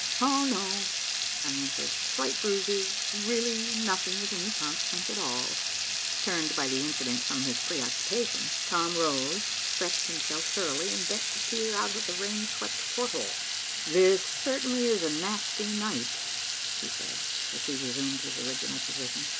"Oh, no," I answered. "Slight bruises, really nothing of any consequence at all." Turned by the incident from his preoccupation, Tom rose, stretched himself thoroughly, and bent to peer out of the rain swept porthole. "This certainly is a nasty night," he said, as he resumed his original position.